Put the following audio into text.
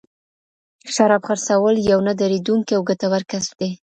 شراب خرڅول یو نه دریدونکی او ګټور کسب دی.